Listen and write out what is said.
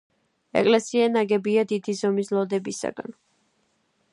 ეკლესია ნაგებია დიდი ზომის ლოდებისაგან.